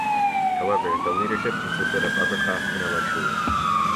However, the leadership consisted of upper-class intellectuals.